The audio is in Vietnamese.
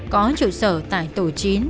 có trụ sở tại tổ chín